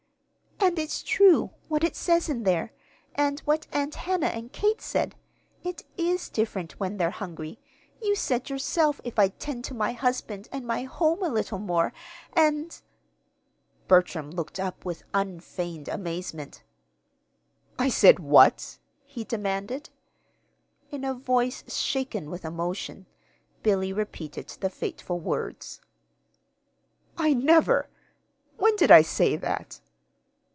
"And it's true what it says in there, and what Aunt Hannah and Kate said. It is different when they're hungry! You said yourself if I'd tend to my husband and my home a little more, and " Bertram looked up with unfeigned amazement. "I said what?" he demanded. In a voice shaken with emotion, Billy repeated the fateful words. "I never when did I say that?"